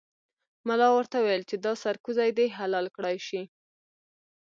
ملا ورته وویل چې دا سرکوزی دې حلال کړای شي.